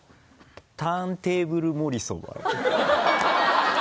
ターンテーブルもりそば。